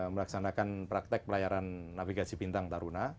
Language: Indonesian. melaksanakan praktek pelayaran navigasi bintang taruna